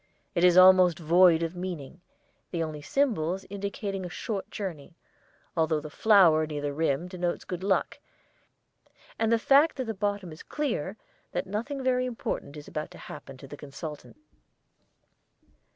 It is almost void of meaning, the only symbols indicating a short journey, although the flower near the rim denotes good luck, and the fact that the bottom is clear that nothing very important is about to happen to the consultant.